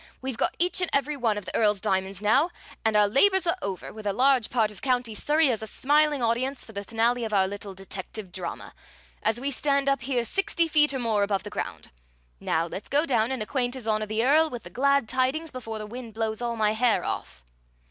We've got each and every one of the Earl's diamonds now, and our labors are over, with a large part of County Surrey as the smiling audience for the finale of our little detective drama, as we stand up here sixty feet or more above the ground! Now let's go down and acquaint His Honor the Earl with the glad tidings before the wind blows all my hair off!"